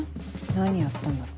何やったんだろ。